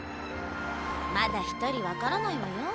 まだ一人分からないわよ？